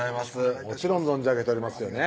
もちろん存じ上げておりますよね